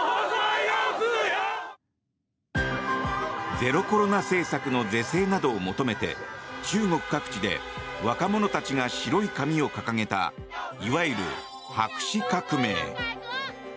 ゼロコロナ政策の是正などを求めて中国各地で若者たちが白い紙を掲げたいわゆる白紙革命。